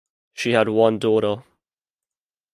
She had one daughter.